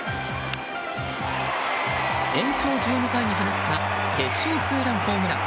延長１２回に放った決勝ツーランホームラン。